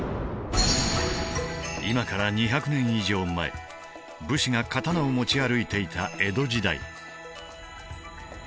今から２００年以上前武士が刀を持ち歩いていた江戸時代。